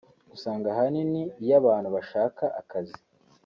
Usanga ahanini iyo abantu bashaka akazi